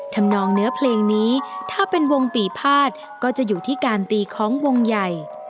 นองเนื้อเพลงนี้ถ้าเป็นวงปีภาษก็จะอยู่ที่การตีของวงใหญ่